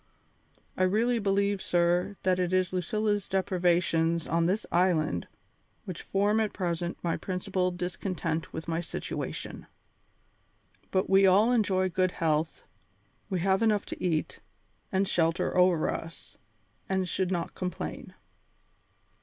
I really believe, sir, that it is Lucilla's deprivations on this island which form at present my principal discontent with my situation. But we all enjoy good health, we have enough to eat, and shelter over us, and should not complain."